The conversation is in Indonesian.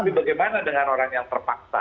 tapi bagaimana dengan orang yang terpaksa